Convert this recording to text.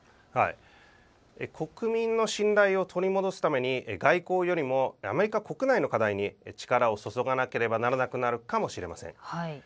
国民の信頼を取り戻すために外交よりもアメリカ国内の課題に力を注がなければならなくなるかもしれません。